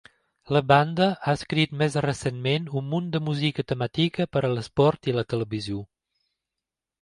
La banda ha escrit més recentment un munt de música temàtica per a l'esport i la televisió.